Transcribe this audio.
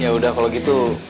ya udah kalau gitu